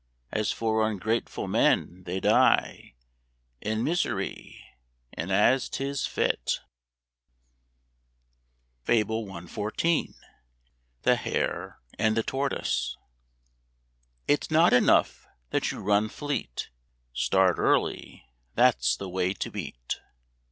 As for ungrateful men, they die In misery, and as 'tis fit. FABLE CXIV. THE HARE AND THE TORTOISE. It's not enough that you run fleet; Start early, that's the way to beat.